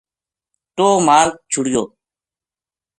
ٹوہ ما مار چھڑیو